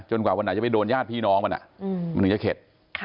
จนกว่าวันหลังจะไปโดนญาติพี่น้องมันน่ะมันจะเข็ด